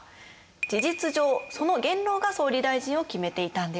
事実上その元老が総理大臣を決めていたんです。